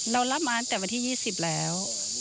เรารับมาตั้งแต่วันที่๒๐แล้ว